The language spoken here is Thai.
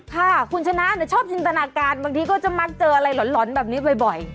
ค่ะคุณชนะชอบจินตนาการบางทีก็จะมักเจออะไรหล่อนแบบนี้บ่อย